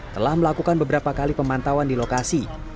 telah melakukan beberapa kali pemantauan di lokasi